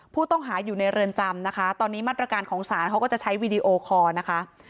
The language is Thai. ผู้ต้องหาอยู่ในเรือนจำนะคะตอนนี้มาตรการของศาลเขาก็จะใช้วีดีโอคอร์นะคะ